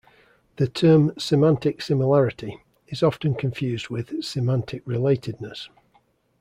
The term semantic similarity is often confused with semantic relatedness.